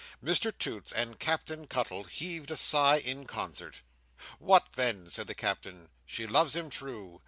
Mr Toots and Captain Cuttle heaved a sigh in concert. "What then?" said the Captain. "She loves him true.